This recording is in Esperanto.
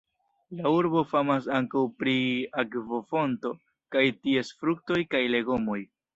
La urbo famas ankaŭ pri akvofonto kaj ties fruktoj kaj legomoj.